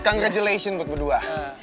congratulations buat berdua